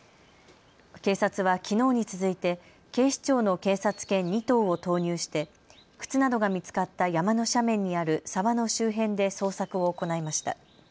警察はきのうに続いて警視庁の警察犬２頭を投入して靴などが見つかった山の斜面にある沢の周辺で捜索を行いました。